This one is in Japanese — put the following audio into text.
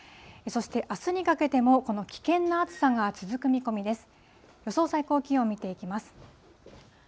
そしてあすにかけても、この危険な暑さが続く見込みです。